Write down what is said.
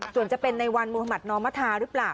ส่วนจะเป็นในวันมหมาตย์นอมภาคหรือเปล่า